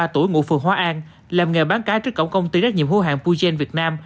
bốn mươi ba tuổi ngụ phường hóa an làm nghề bán cái trước cổng công ty trách nhiệm hữu hạng puget việt nam